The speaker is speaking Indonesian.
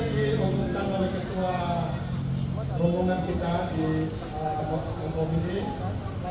kita hubungkan oleh ketua hubungan kita di kompomi ini